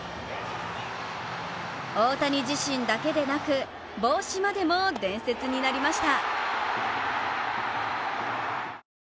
大谷自身だけでなく帽子までも伝説になりました。